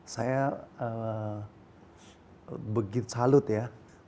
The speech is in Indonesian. saya begitu salut ya